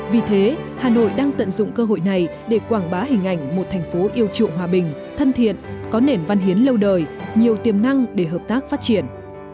vì thế hà nội đang tận dụng cơ hội này để quảng bá hình ảnh một thành phố yêu trụng hòa bình thân thiện có nền văn hiến lâu đời nhiều tiềm năng để hợp tác phát triển